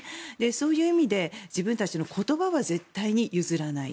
そういう意味で自分たちの言葉は絶対に譲らない。